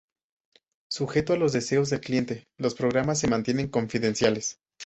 Sujeto a los deseos del cliente, los programas se mantienen confidenciales.